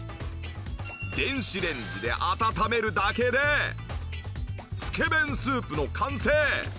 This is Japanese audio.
電子レンジで温めるだけでつけ麺スープの完成！